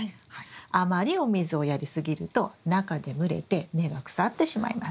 あまりお水をやり過ぎると中で蒸れて根が腐ってしまいます。